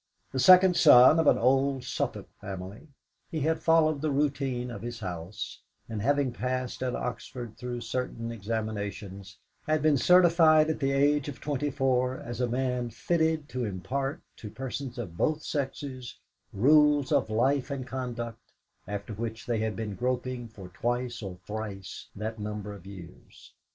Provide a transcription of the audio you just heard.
The second son of an old Suffolk family, he had followed the routine of his house, and having passed at Oxford through certain examinations, had been certificated at the age of twenty four as a man fitted to impart to persons of both sexes rules of life and conduct after which they had been groping for twice or thrice that number of years.